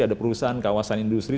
ada perusahaan kawasan industri